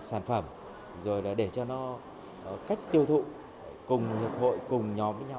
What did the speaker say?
sản phẩm rồi để cho nó cách tiêu thụ cùng hợp hội cùng nhóm với nhau